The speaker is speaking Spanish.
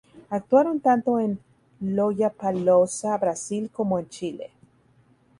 Actuaron tanto en Lollapalooza Brasil como en Chile.